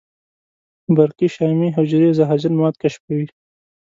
برقي شامي حجرې زهرجن مواد کشفوي.